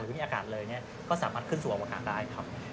หรือมีอากาศเลยก็สามารถขึ้นสู่อวกาศได้ครับ